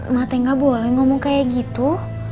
ma teh gak boleh ngomong kayak gitu